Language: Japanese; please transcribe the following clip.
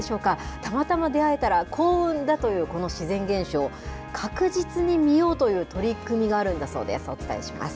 たまたま出会えたら幸運だというこの自然現象、確実に見ようという取り組みがあるんだそうです、お伝えします。